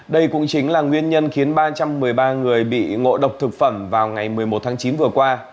đây cũng chính là nguyên nhân khiến ba trăm một mươi ba người bị ngộ độc thực phẩm vào ngày một mươi một tháng chín vừa qua